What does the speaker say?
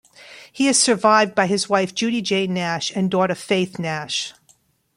He is survived by his wife, Judy Jae' Nash and daughter Phaith Nash.